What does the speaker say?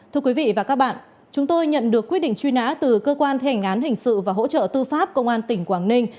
thưa quý vị và các bạn chúng tôi nhận được quyết định truy nã từ cơ quan thể hành án hình sự và hỗ trợ tư pháp công an tỉnh quảng ninh